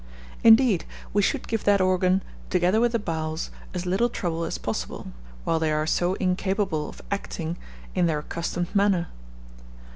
Indeed, we should give that organ, together with the bowels, as little trouble as possible, while they are so incapable of acting in their accustomed manner.